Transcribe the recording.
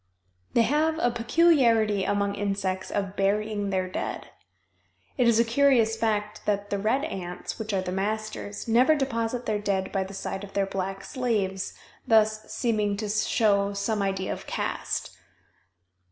They have a peculiarity among insects of burying their dead. It is a curious fact that the red ants, which are the masters, never deposit their dead by the side of their black slaves, thus seeming to show some idea of caste.